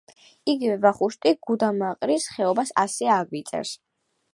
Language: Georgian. იგივე ვახუშტი გუდამაყრის ხეობას ასე აგვიწერს.